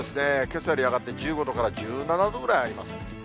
けさより上がって１５度から１７度ぐらいあります。